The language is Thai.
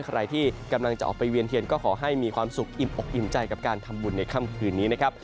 ใครที่กำลังจะออกไปเวียนเทียนก็ขอให้มีความสุขอิ่มอกอิ่มใจกับการทำบุญในค่ำคืนนี้นะครับ